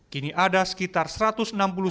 kini ada sekitar seratus desa yang berpengaruh